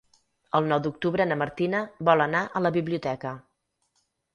El nou d'octubre na Martina vol anar a la biblioteca.